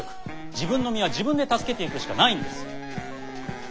自分の身は自分で助けていくしかないんです。